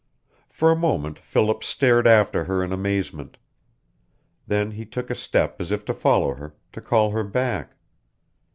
For a moment Philip stared after her in amazement. Then he took a step as if to follow her, to call her back.